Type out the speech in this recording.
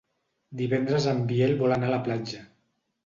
Divendres en Biel vol anar a la platja.